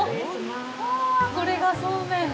あ、これがそうめん。